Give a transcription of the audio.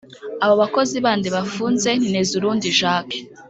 Abo bakozi bandi bafunze ni Ntezurundi Jacques